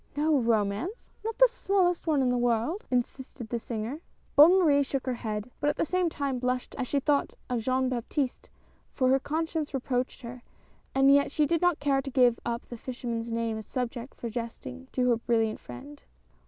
"No romance ! Not the smallest one in the world?" insisted the singer. Bonne Marie shook her head, but at the same time CLOTILDE. 83 blushed as she thought of Jean Baptiste, for her con science reproached her, and yet she did not care to give up the fisherman's name as a subject for jesting to her brilliant friend.